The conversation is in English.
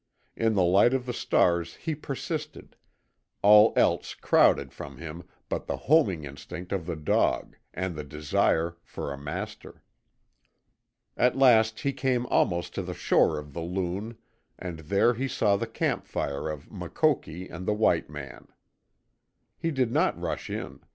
In the light of the stars he persisted, all else crowded from him but the homing instinct of the dog and the desire for a master. At last he came almost to the shore of the Loon, and there he saw the campfire of Makoki and the white man. He did not rush in.